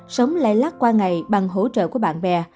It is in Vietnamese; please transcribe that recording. sống lai lát qua ngày bằng hỗ trợ của bạn bè